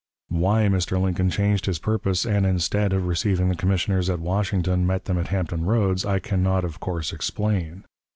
Why Mr. Lincoln changed his purpose, and, instead of receiving the commissioners at Washington, met them at Hampton Roads, I can not, of course, explain.